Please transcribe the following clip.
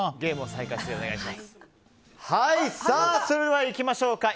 それでは、いきましょうか。